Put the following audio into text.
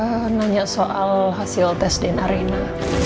eh nanya soal hasil tes di narena